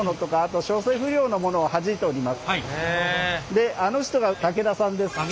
であの人が竹田さんです。